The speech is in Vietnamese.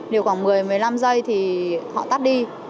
nếu có người một mươi năm giây thì họ tắt đi